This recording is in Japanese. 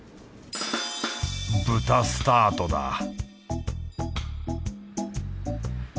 豚スタートだ！